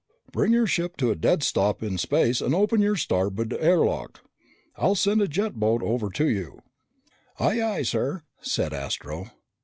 "Bring your ship to a dead stop in space and open your starboard air lock. I will send a jet boat over to you." "Aye, aye, sir," said Astro.